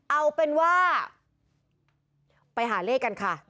เอาเป็นว่าไปหาเลขกันค่ะ